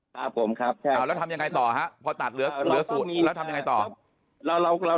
แล้วทำยังไงต่อครับพอตัดเหลือสูตรแล้วทำยังไงต่อ